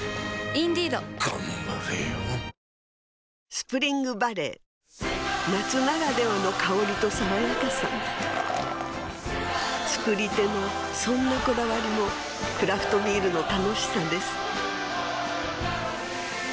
スプリングバレー夏ならではの香りと爽やかさ造り手のそんなこだわりもクラフトビールの楽しさです